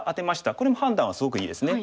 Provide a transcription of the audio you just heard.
これも判断はすごくいいですね。